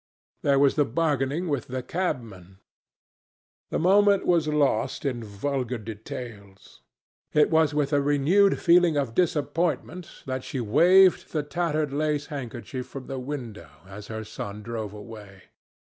There was the bargaining with the cabman. The moment was lost in vulgar details. It was with a renewed feeling of disappointment that she waved the tattered lace handkerchief from the window, as her son drove away.